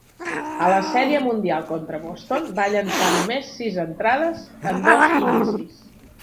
A la sèrie mundial contra Boston, va llançar només sis entrades en dos inicis.